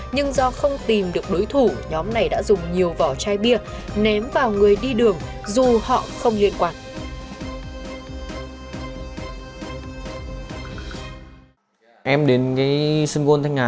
nhưng do không tìm được đối thủ nhóm này đã dùng nhiều vỏ chai bia ném vào người đi đường dù họ không liên quan